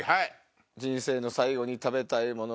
人生の最後に食べたいもの